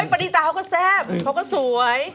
ปานิตาวก็แซ่บเขาก็สวย